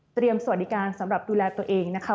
สวัสดีการสำหรับดูแลตัวเองนะคะ